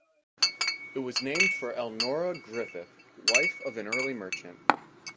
It was named for Elnora Griffith, wife of an early merchant.